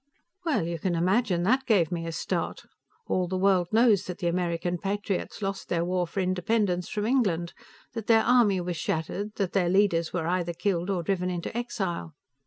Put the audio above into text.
Well, you can imagine, that gave me a start. All the world knows that the American Patriots lost their war for independence from England; that their army was shattered, that their leaders were either killed or driven into exile.